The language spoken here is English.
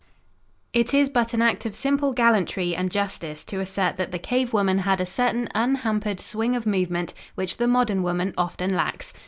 It is but an act of simple gallantry and justice to assert that the cave woman had a certain unhampered swing of movement which the modern woman often lacks.